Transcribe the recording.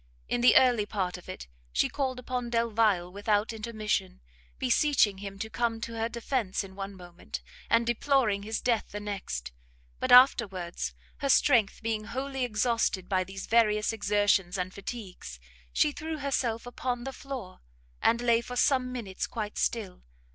in the early part of it, she called upon Delvile without intermission, beseeching him to come to her defence in one moment, and deploring his death the next; but afterwards, her strength being wholly exhausted by these various exertions and fatigues, she threw herself upon the floor, and lay for some minutes quite still.